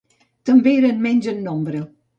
També eren menys en nombre.